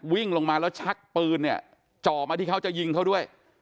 วิ่งลงมาแล้วชักปืนเนี่ยจ่อมาที่เขาจะยิงเขาด้วย